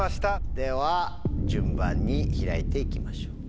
では順番に開いて行きましょう。